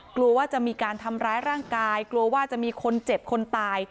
กลัวว่าจะมีการทำร้ายร่างกายกลัวว่าจะมีคนเจ็บคนตาย